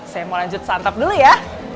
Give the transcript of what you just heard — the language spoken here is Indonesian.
saya mau lanjut santap dulu ya